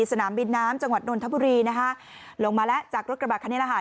สนามบินน้ำจังหวัดนนทบุรีนะคะลงมาแล้วจากรถกระบาดคณิตรหาด